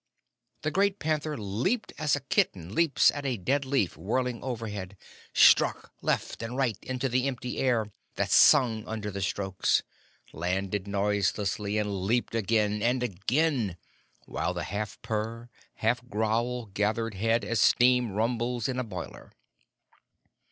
The great panther leaped as a kitten leaps at a dead leaf whirling overhead, struck left and right into the empty air, that sung under the strokes, landed noiselessly, and leaped again and again, while the half purr, half growl gathered head as steam rumbles in a boiler.